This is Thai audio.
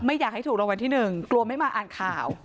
อยากให้ถูกรางวัลที่หนึ่งกลัวไม่มาอ่านข่าว